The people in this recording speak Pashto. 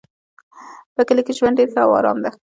په کلي کې ژوند ډېر ښه او آرام ده